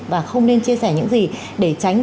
và không nên chia sẻ những gì để tránh